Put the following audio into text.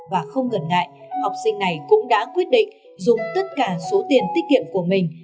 và không ngần ngại học sinh này cũng đã quyết định dùng tất cả số tiền tiết kiệm của mình